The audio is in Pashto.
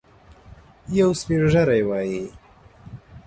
یو سپین ږیری وايي.